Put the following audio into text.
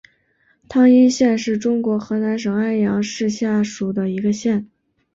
汤阴县是中国河南省安阳市下属的一个县。